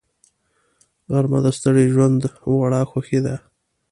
غرمه د ستړي ژوند وړه خوښي ده